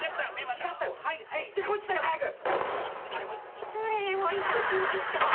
失礼をいたしました。